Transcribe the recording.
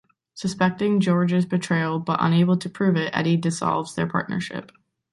Suspecting George's betrayal but unable to prove it, Eddie dissolves their partnership.